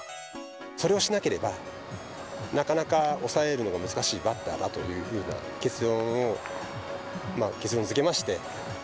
それをしなければ、なかなか抑えるのが難しいバッターだというふうな結論づけまして。